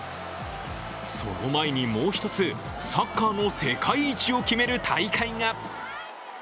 その前にもう一つ、サッカーの世界一を決める大会が。